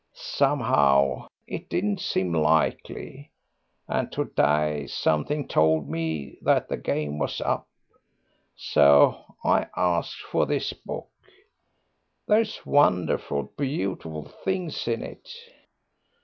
Somehow it didn't seem likely, and to day something told me that the game was up, so I asked for this book.... There's wonderful beautiful things in it."